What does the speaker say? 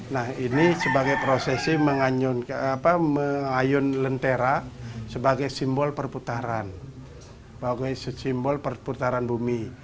nah ini sebagai prosesi mengayun lentera sebagai simbol perputaran sebagai simbol perputaran bumi